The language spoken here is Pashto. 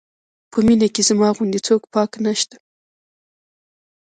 په مینه کې زما غوندې څوک پاک نه شته.